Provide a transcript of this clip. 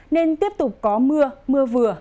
nên tiếp tục có mưa mưa vừa